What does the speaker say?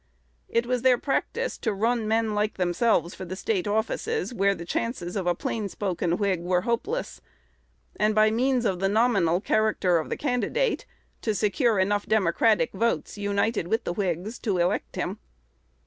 It was their practice to run men like themselves for the State offices where the chances of a plain spoken Whig were hopeless; and, by means of the "nominal" character of the candidate, secure enough Democratic votes, united with the Whigs, to elect him.